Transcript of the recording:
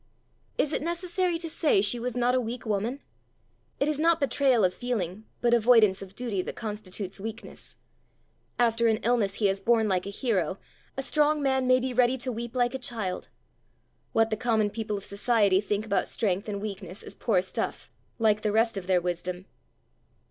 Is it necessary to say she was not a weak woman? It is not betrayal of feeling, but avoidance of duty, that constitutes weakness. After an illness he has borne like a hero, a strong man may be ready to weep like a child. What the common people of society think about strength and weakness, is poor stuff, like the rest of their wisdom.